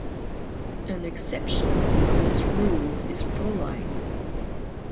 An exception from this rule is proline.